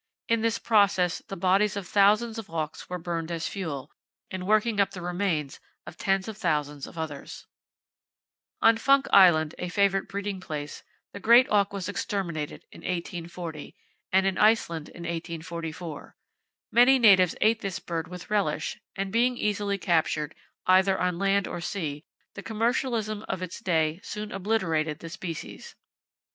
In this process, the bodies of thousands of auks were burned as fuel, in working up the remains of tens of thousands of others. [Page 11] On Funk Island, a favorite breeding place, the great auk was exterminated in 1840, and in Iceland in 1844. Many natives ate this bird with relish, and being easily captured, either on land or sea, the commercialism of its day soon obliterated the species.